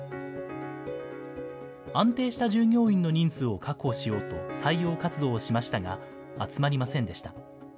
安定した従業員の人数を確保しようと採用活動をしましたが、集まりませんでした。